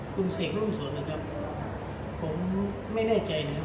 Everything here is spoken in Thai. คุณเสกรุ่งสนนะครับผมไม่แน่ใจนะครับ